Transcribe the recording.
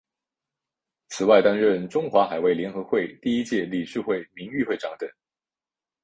此外担任中华海外联谊会第一届理事会名誉会长等。